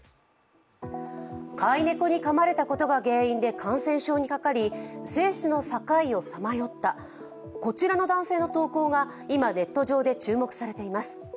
飼い猫にかまれたことが原因で感染症にかかり生死の境をさまよったこちらの男性の投稿が今ネット上で注目されています。